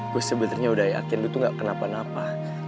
gue sebenarnya udah yakin lu tuh gak kenapa napa